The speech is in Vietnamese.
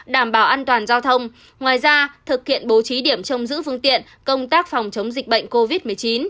đảm bảo an toàn giao thông ngoài ra thực hiện bố trí điểm trông giữ phương tiện công tác phòng chống dịch bệnh covid một mươi chín